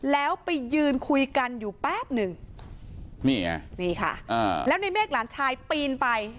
แล้วไปยืนคุยกันอยู่แป๊บนึงนี่ค่ะแล้วในเนกหลานชายปีนไป